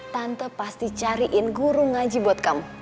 tante pasti cariin guru ngaji buat kamu